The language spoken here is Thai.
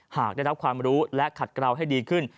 หากได้รับความรู้และขัดกราวให้ดีขึ้น